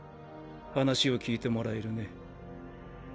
話を聞いてもらえるね。